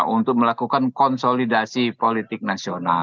untuk melakukan konsolidasi politik nasional